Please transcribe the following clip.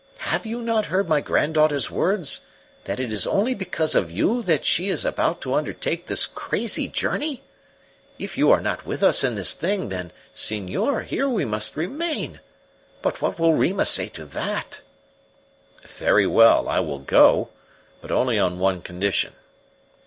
Have you not heard my granddaughter's words that it is only because of you that she is about to undertake this crazy journey? If you are not with us in this thing, then, senor, here we must remain. But what will Rima say to that?" "Very well, I will go, but only on one condition."